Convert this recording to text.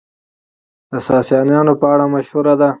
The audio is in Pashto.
د ساسانيانو په اړه مشهوره ده،